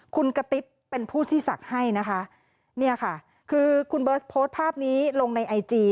คุณกะติ๊บเป็นผู้ที่ศักดิ์ให้นะคะเนี่ยค่ะคือคุณเบิร์ตโพสต์ภาพนี้ลงในไอจี